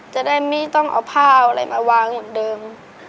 จะได้ไม่ต้องเอาผ้าเอาอะไรมาวางเหมือนเดิม